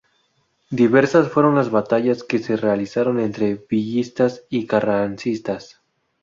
Diversas fueron las batallas que se realizaron entre villistas y carrancistas.